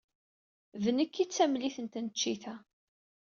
D nekk ay d tamlit n tneččit-a.